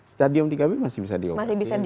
stadium tiga b masih bisa diobati